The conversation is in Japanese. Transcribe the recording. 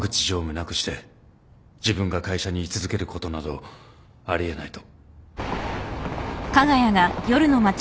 なくして自分が会社に居続けることなどあり得ないと。